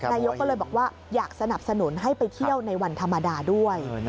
นายกก็เลยบอกว่าอยากสนับสนุนให้ไปเที่ยวในวันธรรมดาด้วย